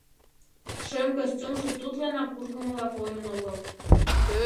Шем костюмжо тудланак ургымыла койын огыл.